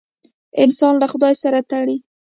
انسان له خدای سره تړي.